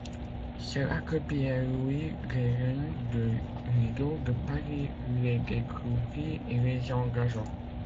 C'est là que Pierre-Louis Guérin du Lido de Paris les découvrit et les engagea.